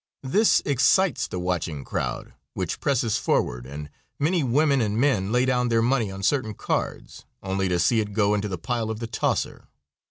This excites the watching crowd, which presses forward, and many women and men lay down their money on certain cards, only to see it go into the pile of the "tosser."